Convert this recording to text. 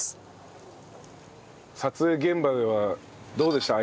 撮影現場ではどうでした？